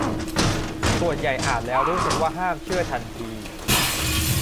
ส่วนใหญ่อ่านแล้วรู้สึกว่าห้ามเชื่อทันที